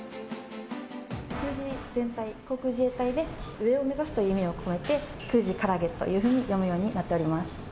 空自全体、航空自衛隊で、上を目指すという意味を込めて、空自からあげというように読むようになっております。